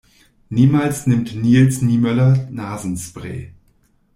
Niemals nimmt Nils Niemöller Nasenspray.